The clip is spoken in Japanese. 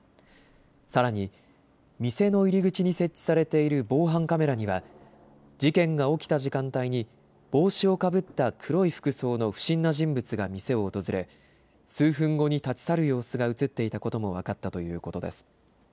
さらに、店の入り口に設置されている防犯カメラには事件が起きた時間帯に帽子をかぶった黒い服装の不審な人物が店を訪れ数分後に立ち去る様子が写っていたことも分かったということです。